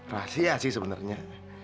rahasia sih sebenernya